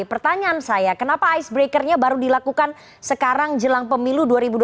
pertanyaan saya kenapa icebreakernya baru dilakukan sekarang jelang pemilu dua ribu dua puluh